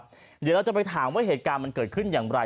เดี๋ยวเราจะไปถามว่าเหตุการณ์มันเกิดขึ้นอย่างไร